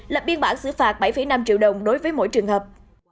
lập biên bản xử phạt bảy năm triệu đồng đối với mỗi trường hợp